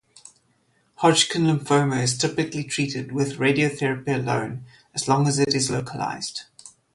Hodgkin lymphoma typically is treated with radiotherapy alone, as long as it is localized.